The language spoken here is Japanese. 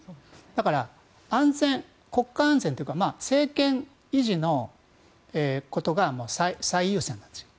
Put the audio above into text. だから、国家安全というか政権維持のことが最優先なんですよ。